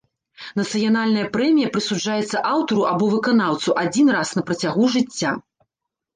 Нацыянальная прэмія прысуджаецца аўтару або выканаўцу адзін раз на працягу жыцця.